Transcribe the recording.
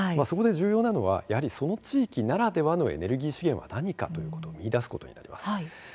そこで重要なのはその地域ならではのエネルギー資源は何か見いだすことになります。